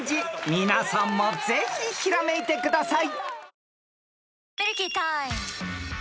皆さんもぜひひらめいてください］